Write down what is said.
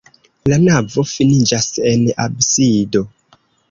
La navo finiĝas en absido.